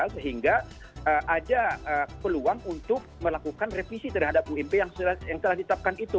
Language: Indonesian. sehingga ada peluang untuk melakukan revisi terhadap ump yang telah ditetapkan itu